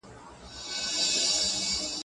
ما په نوم د انتقام يې ته وهلی.